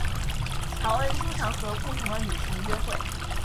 乔恩经常和不同的女性约会。